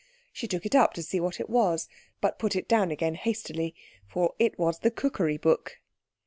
She took it up to see what it was, but put it down again hastily, for it was the cookery book.